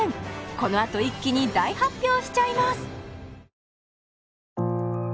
このあと一気に大発表しちゃいます